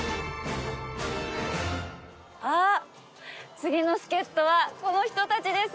次の助っ人はこの人たちです。